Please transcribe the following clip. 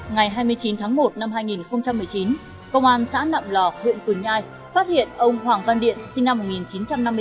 ngày hai mươi chín tháng một năm hai nghìn một mươi chín công an xã nậm lò huyện quỳnh nhai phát hiện ông hoàng văn điện sinh năm một nghìn chín trăm năm mươi tám